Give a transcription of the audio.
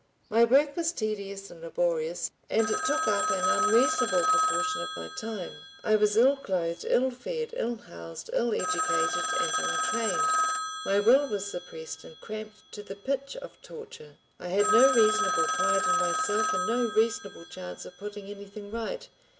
My work was tedious and laborious and it took up an unreasonable proportion of my time, I was ill clothed, ill fed, ill housed, ill educated and ill trained, my will was suppressed and cramped to the pitch of torture, I had no reasonable pride in myself and no reasonable chance of putting anything right.